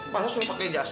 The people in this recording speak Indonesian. pasal suka pakai jas